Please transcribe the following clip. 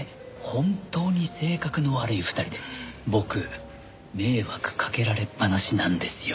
本当に性格の悪い２人で僕迷惑かけられっぱなしなんですよ。